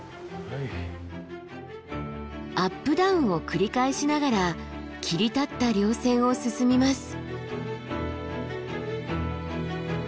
アップダウンを繰り返しながら切り立った稜線を進みます。